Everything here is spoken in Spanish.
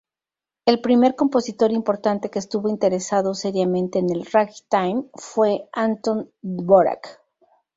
El primer compositor importante que estuvo interesado seriamente en el "ragtime'"' fue Anton Dvorak.